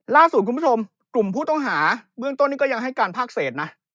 ล่าสุดคุณผู้ชมกลุ่มผู้ต้องหาเบื้องต้นนี้ก็ยังให้การภาคเศษนะ